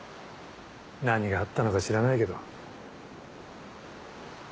何があったのか知らないけど。